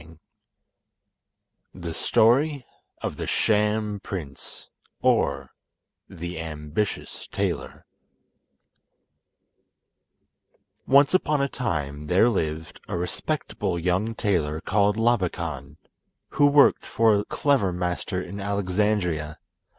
] The Story Of The Sham Prince, Or The Ambitious Tailor Once upon a time there lived a respectable young tailor called Labakan, who worked for a clever master in Alexandria.